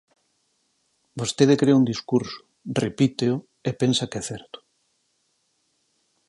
Vostede crea un discurso, repíteo e pensa que é certo.